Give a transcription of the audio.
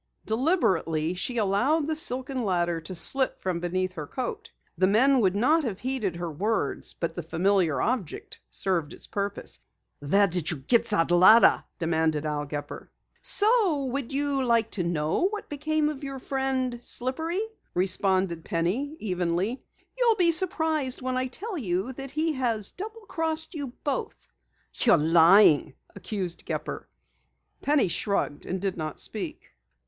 Deliberately, she allowed the silken ladder to slip from beneath her coat. The men would not have heeded her words, but the familiar object served its purpose. "Where did you get that ladder?" demanded Al Gepper. "So you would like to know what became of your friend, Slippery?" responded Penny evenly. "You'll be surprised when I tell you that he has double crossed you both!" "You're lying," accused Gepper. Penny shrugged and did not speak.